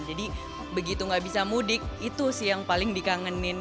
jadi begitu nggak bisa mudik itu sih yang paling dikangenin